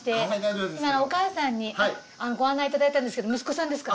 お母さんにご案内いただいたんですけど息子さんですか？